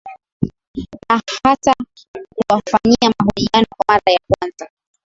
Na hata kuwafanyia mahojiano kwa mara ya kwanza